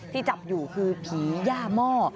ที่จับอยู่คือผีย่าหม้อ